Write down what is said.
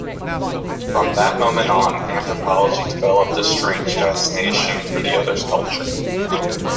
From that moment on, anthropology developed a strange fascination for the Other's culture.